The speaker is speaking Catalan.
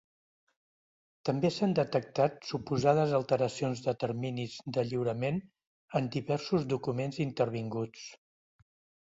També s’han detectat suposades alteracions de terminis de lliurament en diversos documents intervinguts.